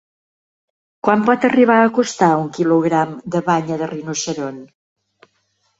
Quan pot arribar a costar un quilogram de banya de rinoceront?